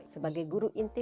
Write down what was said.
sebagai guru inti